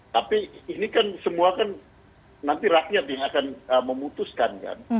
tapi ini kan semua kan nanti rakyat yang akan memutuskan kan